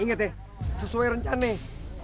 ingat ya sesuai rencana nih